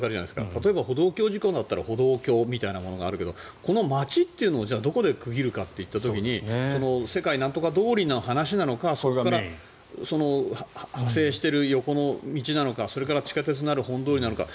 例えば歩道橋事故で言うと歩道橋みたいなものがあるけどこの街っていうのはどこで区切るかって時に世界なんとか通りの話なのかそこから派生している横の道なのかそれから地下鉄のある本通りなのか